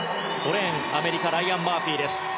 ５レーン、アメリカライアン・マーフィーです。